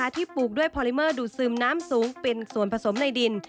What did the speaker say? ปลูกด้วยพอลิเมอร์ดูดซึมน้ำสูงเป็นส่วนผสมในดิน